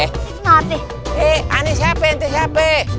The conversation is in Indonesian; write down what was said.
eh ane siapa ente siapa